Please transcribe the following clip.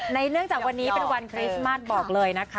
เนื่องจากวันนี้เป็นวันคริสต์มาสบอกเลยนะคะ